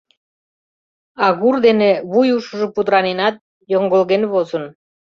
Агур дене вуй ушыжо пудыраненат, йоҥгылген возын.